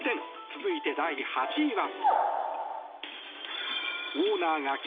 続いて、第８位は。